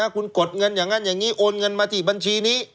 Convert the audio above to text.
คุณกดเงินอย่างนั้นอย่างนี้โอนเงินมาที่บัญชีนี้